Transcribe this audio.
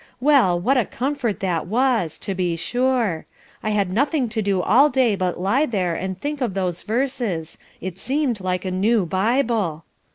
Well, what a comfort that was, to be sure. I had nothing to do all day but lie there and think of those verses; it seemed like a new Bible.